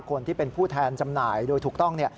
คนที่เป็นผู้แทนจำหน่ายโดยถูกต้อง